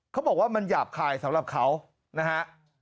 เขาบอกว่ามันหยาบคายสำหรับเขานะฮะ